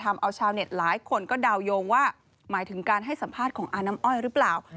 ชาวเน็ตหลายคนก็ดาวยงว่าหมายถึงการให้สัมภาษณ์ของอาน้ำอ้อยหรือเปล่า